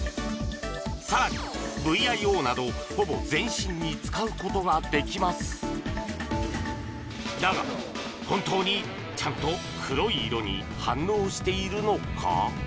さらにＶＩＯなどほぼ全身に使うことができますだが本当にちゃんと黒い色に反応しているのか？